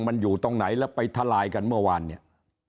มันอยู่ตรงไหนแล้วไปทลายกันเมื่อวานเนี่ย